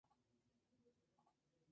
En el tricolor, juega como volante.